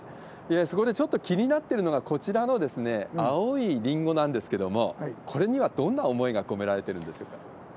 そこでちょっと気になってるのが、こちらの青いりんごなんですけれども、これにはどんな思いが込められてるんでしょうか？